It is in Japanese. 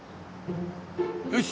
よし！